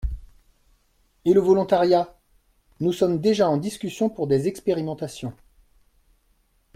Et le volontariat ? Nous sommes déjà en discussion pour des expérimentations.